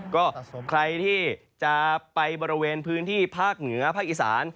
ก็ใครที่จะไปบริเวณพื้นที่ภาคเหนือภาคอีสาน